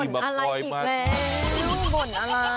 บ่นอะไรอีกแล้วรู้บ่นอะไร